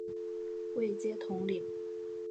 位阶统领。